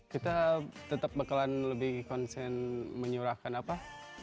kita tetap bakalan lebih konsen menyurahkan apa